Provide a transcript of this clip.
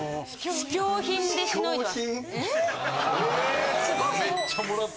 試供品でしのいでます。